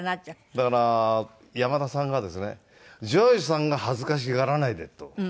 だから山田さんがですね「譲二さんが恥ずかしがらないで」と。